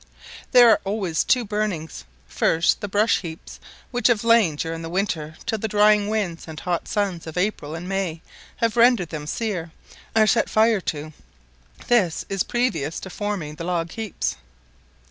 There are always two burnings: first, the brush heaps, which have lain during the winter till the drying winds and hot suns of April and May have rendered them sear, are set fire to; this is previous to forming the log heaps.